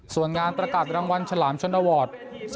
ส่วนงานประกาศรางวัลฉลามชนวอร์ด